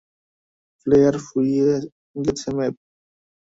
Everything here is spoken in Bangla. ফ্লেয়ার ফুরিয়ে গেছে, ম্যাভ।